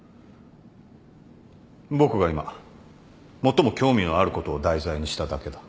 僕が今最も興味のあることを題材にしただけだ。